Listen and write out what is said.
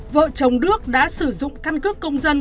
vợ chồng đức đã sử dụng căn cước công dân